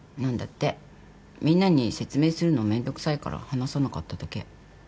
みんなに説明するのめんどくさいから話さなかっただけ。